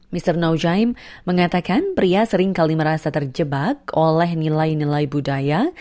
mr naujaim mengatakan pria seringkali merasa terjebak oleh nilai nilai budaya